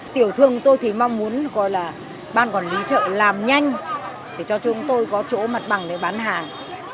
tiểu thương tôi thì mong muốn ban quản lý chợ làm nhanh để cho chúng tôi có chỗ mặt bằng để bán hàng